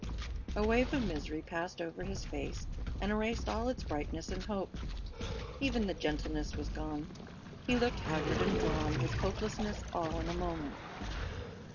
A wave of misery passed over his face and erased all its brightness and hope. Even the gentleness was gone. He looked haggard and drawn with hopelessness all in a moment.